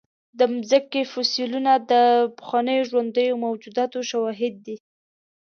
د مځکې فوسیلونه د پخوانیو ژوندیو موجوداتو شواهد دي.